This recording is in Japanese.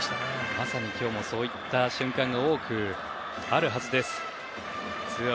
まさに今日もそういった瞬間が多くあるはずです。